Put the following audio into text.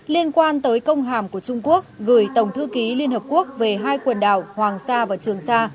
liên quan tới công hàm của trung quốc gửi tổng thư ký liên hợp quốc về hai quần đảo hoàng sa và trường sa